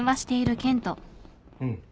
うん。